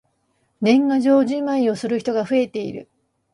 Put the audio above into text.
年賀状じまいをする人が増えている。